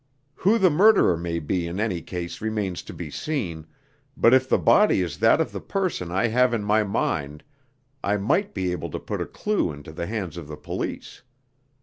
Who the murderer may be in any case remains to be seen, but if the body is that of the person I have in my mind, I might be able to put a clue into the hands of the police.